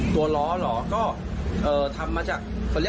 ตัวล้อเหรอก็ทำมาจาก